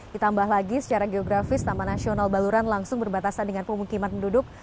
jadi secara geografis taman nasional baluran langsung berbatasan dengan pemukiman penduduk